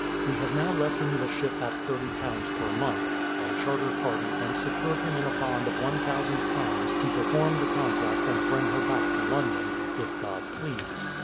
We have now let him the ship at £30 per month, by charter party and secured him in a bond of £1000 to perform the contract and bring her back to London, if God please.